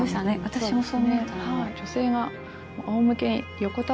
私もそう思ったな。